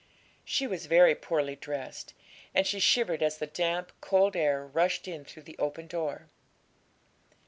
She was very poorly dressed, and she shivered as the damp, cold air rushed in through the open door.